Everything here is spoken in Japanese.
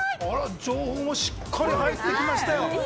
情報もしっかりと入ってきました。